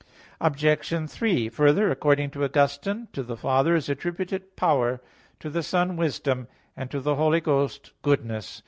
Obj. 3: Further, according to Augustine, to the Father is attributed "power," to the Son "wisdom," to the Holy Ghost "goodness."